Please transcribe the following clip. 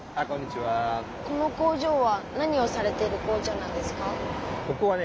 この工場は何をされている工場なんですか？